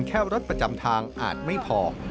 แค่รถประจำทางอาจไม่พอ